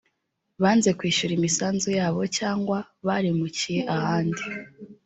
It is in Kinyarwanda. banze kwishyura imisanzu yabo cyangwa barimukiye ahandi